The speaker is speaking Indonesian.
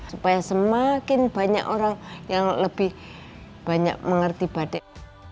supaya semakin banyak orang yang lebih banyak mengerti batik